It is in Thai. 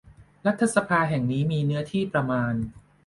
รัฐสภาแห่งนี้มีเนื้อที่ประมาณ